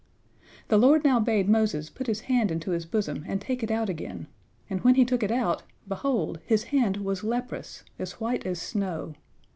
The Lord now bade Moses put his hand into his bosom and take it out again, and when he took it out, behold, his hand was leprous, as white as snow.